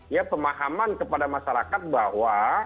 ya pemahaman kepada masyarakat bahwa